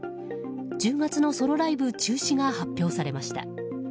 １０月のソロライブ中止が発表されました。